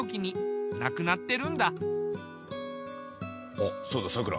あっそうださくら。